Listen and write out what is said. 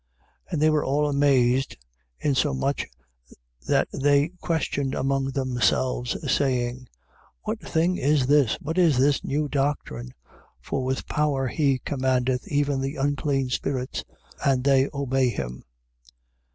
1:27. And they were all amazed insomuch that they questioned among themselves, saying: What thing is this? What is this new doctrine? For with power he commandeth even the unclean spirits: and they obey him.